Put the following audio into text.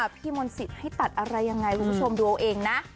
พี่มนต์สิทธิ์ให้ตัดอะไรยังไงคุณผู้ชมดูเอาเองนะ